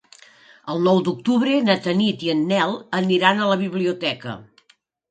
El nou d'octubre na Tanit i en Nel aniran a la biblioteca.